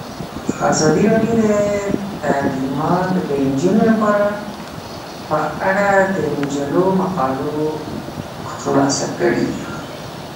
ازادي راډیو د تعلیمات د نجونو لپاره په اړه د مجلو مقالو خلاصه کړې.